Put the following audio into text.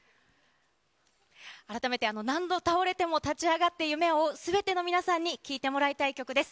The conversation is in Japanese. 改めて、何度倒れても立ち上がって夢を追うすべての皆さんに聴いてもらいたい曲です。